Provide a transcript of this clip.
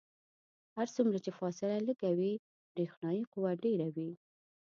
هر څومره چې فاصله لږه وي برېښنايي قوه ډیره وي.